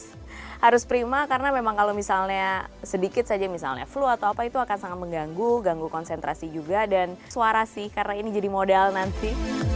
harus prima karena memang kalau misalnya sedikit saja misalnya flu atau apa itu akan sangat mengganggu ganggu konsentrasi juga dan suara sih karena ini jadi modal nanti